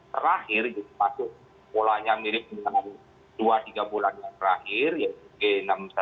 terakhir itu termasuk polanya mirip dengan dua tiga bulan yang terakhir yaitu e enam ratus empat belas